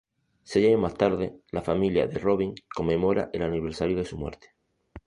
Seis años más tarde, la familia de Robin conmemora el aniversario de su muerte.